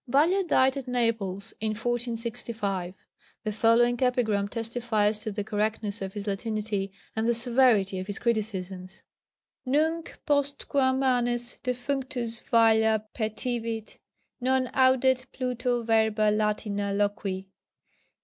Valla died at Naples in 1465. The following epigram testifies to the correctness of his Latinity and the severity of his criticisms: _Nunc postquam manes defunctus Valla petivit, Non audet Pluto verba latina loqui.